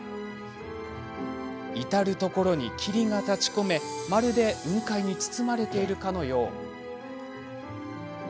至る所に、霧が立ちこめまるで雲海に包まれているかのよう。